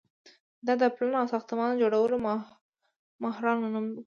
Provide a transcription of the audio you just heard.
دا د پلان او ساختمان جوړولو ماهرانو نوم و.